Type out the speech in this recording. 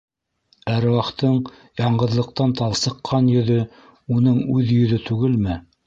Әруахтың яңғыҙлыҡтан талсыҡҡан йөҙө уның үҙ йөҙө түгелме?